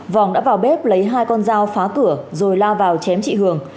vòng đã vào bếp lấy hai con dao phá cửa rồi la vào chém chị hường